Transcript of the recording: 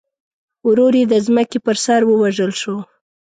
ورور یې د ځمکې پر سر ووژل شو.